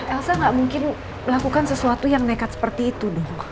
elsa gak mungkin melakukan sesuatu yang nekat seperti itu dong